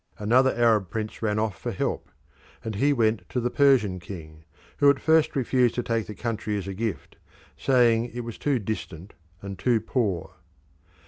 Another Arab prince ran off for help, and he went to the Persian king, who at first refused to take the country as a gift, saying it was too distant and too poor.